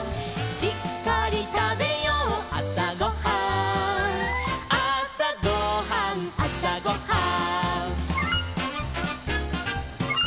「しっかりたべようあさごはん」「あさごはんあさごはん」